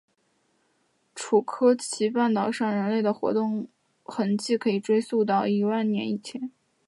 楚科奇半岛上人类活动的痕迹可以追溯到一万年以前。